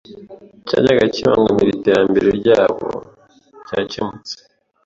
cyajyaga kibangamira iterambere ryabo cyakemutse